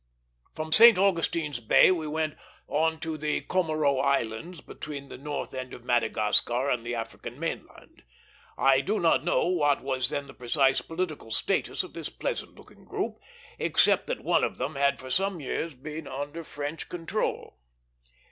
From St. Augustine's Bay we went on to the Comoro Islands, between the north end of Madagascar and the African main land. I do not know what was then the precise political status of this pleasant looking group, except that one of them had for some years been under French control.